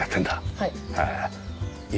はい。